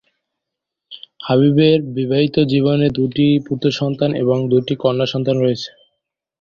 হাবিবের বিবাহিত জীবনে দুটি পুত্র সন্তান এবং দুটি কন্যা সন্তান রয়েছে।